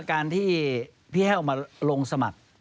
การที่พี่แห้วมาลงสมัคร